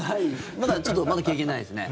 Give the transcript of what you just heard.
まだちょっと経験ないですね。